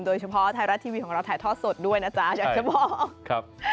โดยเฉพาะไทยรัฐทีวีของเราถ่ายทอดสดด้วยนะจ๊ะอยากจะบอกครับ